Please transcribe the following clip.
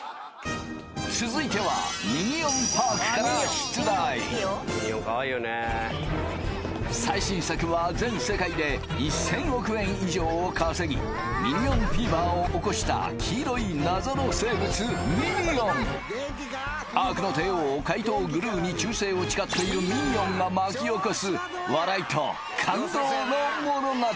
続いてはミニオン・パークから出題最新作は全世界で１０００億円以上を稼ぎミニオンフィーバーを起こした黄色い謎の生物ミニオン悪の帝王怪盗グルーに忠誠を誓っているミニオンが巻き起こす笑いと感動の物語